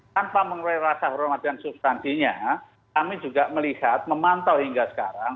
tanpa mengurangi rasa hormat dan substansinya kami juga melihat memantau hingga sekarang